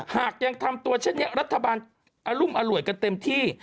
หากยังทำตัวเช่นนี้รัฐบาลอรุมอร่วยกันเต็มที่